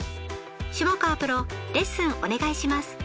下川プロレッスンお願いします。